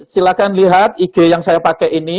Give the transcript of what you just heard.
silahkan lihat ig yang saya pakai ini